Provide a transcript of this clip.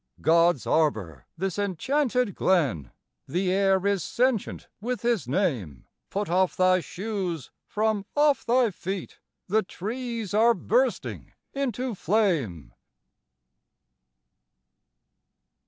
God's arbor, this enchanted Glen! The air is sentient with His name; Put off thy shoes from off thy feet, The trees are bursting into flame!